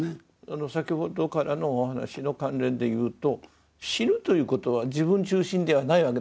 先ほどからのお話の関連で言うと死ぬということは自分中心ではないわけですね。